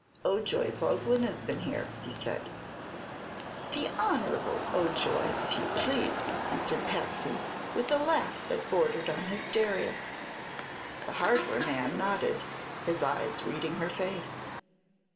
"Ojoy Boglin has been here," he said. "The Honer'ble Ojoy, if you please," answered Patsy, with a laugh that bordered on hysteria. The hardware man nodded, his eyes reading her face.